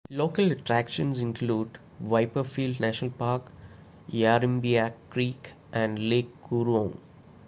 Local attractions include Wyperfeld National Park, Yarriambiack Creek and Lake Coorong.